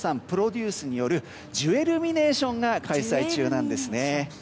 プロデュースによるジュエルミネーションが開催中なんですね。